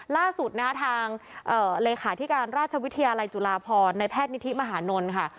ล่าสุดนะคะทางเลขาธิการราชวิทยาลัยจุฬาพรในแพทย์นิธิมหานลค่ะ